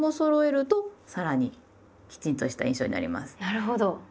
なるほど。